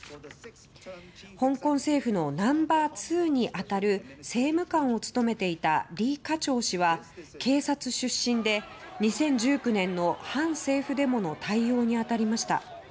香港政府のナンバー２に当たる政務官を務めていたリ・カチョウ氏は警察出身で２０１９年の反政府デモの対応に当たりました。